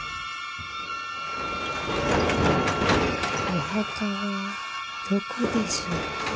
・お墓はどこでしょうか。